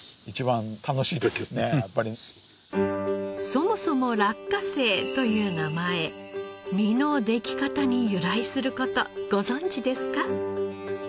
そもそも落花生という名前実のでき方に由来する事ご存じですか？